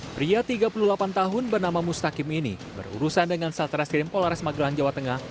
pria tiga puluh delapan tahun bernama mustakim ini berurusan dengan satreskrim polares magelang jawa tengah